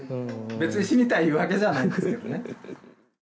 別に死にたいいうわけじゃないんですけどね。